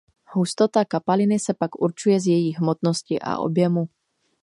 Hustota kapaliny se pak určuje z její hmotnosti a objemu.